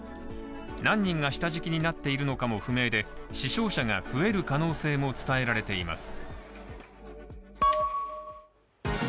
何人が下敷きになっているかも不明で死傷者が増える可能性も伝えられています。